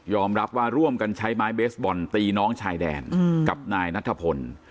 รับว่าร่วมกันใช้ไม้เบสบอลตีน้องชายแดนกับนายนัทพล